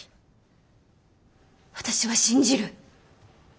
私は信じる。